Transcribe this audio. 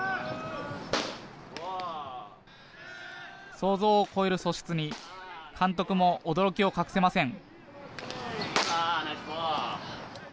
想像を超える素質に監督も驚きを隠せません。